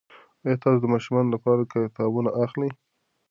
ایا تاسي د ماشومانو لپاره کتابونه اخلئ؟